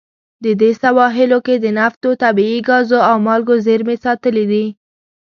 د دې سواحلو کې د نفتو، طبیعي ګازو او مالګو زیرمې ساتلې دي.